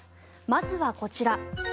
まずはこちら。